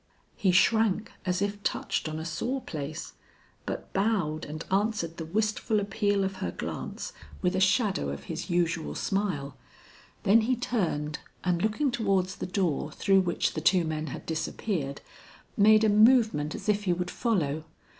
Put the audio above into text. He shrank as if touched on a sore place, but bowed and answered the wistful appeal of her glance with a shadow of his usual smile, then he turned, and looking towards the door through which the two men had disappeared, made a movement as if he would follow.